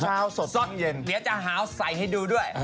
เหนียวจะหาวใส่ให้ดูด้วย